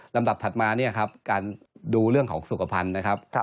ลำดับถัดมาการดูเรื่องของสุขภัณฑ์นะครับ